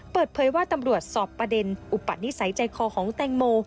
เปิดเผยว่าตำรวจสอบประเด็นอุปนิสัยใจคอของแตงโม